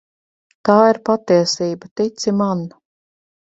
Tā ir patiesība, tici man.